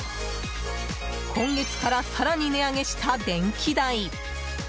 今月から更に値上げした電気代。